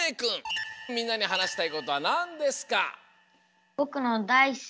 みんなにはなしたいことはなんですか？